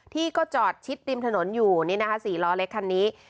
ที่ก็จอดชิดริมถนนอยู่นี่นะคะ๔ล้อเล็กคันนี้